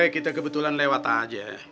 kita kebetulan lewat aja